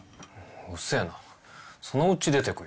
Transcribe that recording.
うっせぇなそのうち出てくよ。